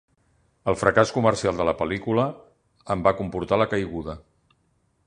El fracàs comercial de la pel·lícula en va comportar la caiguda.